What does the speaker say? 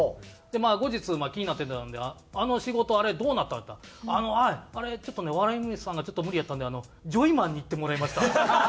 でまあ後日気になってたんで「あの仕事あれどうなった？」って言ったら「あれちょっとね笑い飯さんがちょっと無理やったんでジョイマンに行ってもらいました」。